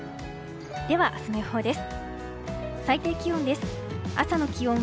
では明日の予報です。